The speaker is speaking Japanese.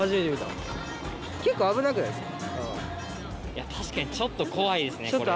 いや確かにちょっと怖いですねこれ。